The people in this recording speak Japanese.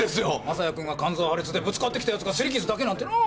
雅也君が肝臓破裂でぶつかってきた奴が擦り傷だけなんてなあ。